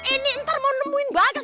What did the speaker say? ini ntar mau nemuin badan